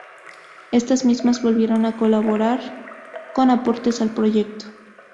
Estas mismas volvieron a colaborar con aportes al proyecto.